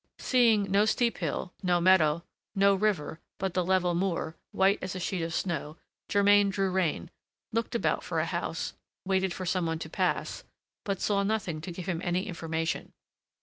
Seeing no steep hill, no meadow, no river, but the level moor, white as a sheet of snow, Germain drew rein, looked about for a house, waited for some one to pass, but saw nothing to give him any information.